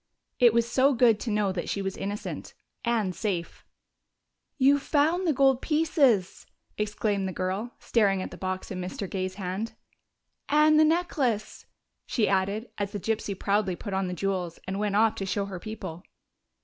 It was so good to know that she was innocent and safe! "You've found the gold pieces!" exclaimed the girl, staring at the box in Mr. Gay's hand. "And the necklace!" she added, as the gypsy proudly put on the jewels and went off to show her people.